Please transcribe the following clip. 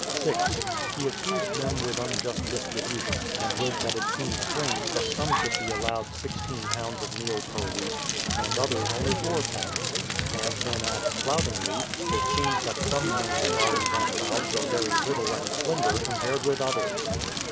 6. He accused them with imjust distribution, and wrote that it seemed strange that some should be allowed l6 lbs. of meal per week, and others only 4 lbs. And then adds floutingly: it seems that some men's bellies and mouths are very little and slender compared with others